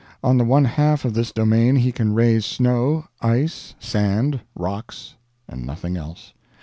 On the one half of this domain he can raise snow, ice, sand, rocks, and nothing else.